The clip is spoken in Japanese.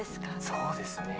そうですね。